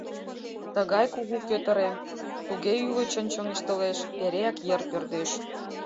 Тугай кугу, кӧтырем, туге ӱлычын чоҥештылеш, эреак йыр пӧрдеш.